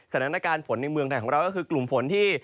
สถานการณ์ฝนในเมืองที่สำหรับเราก็คือกลุ่มฝนที่